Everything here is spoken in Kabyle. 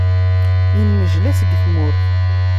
Yennejla seg tmurt.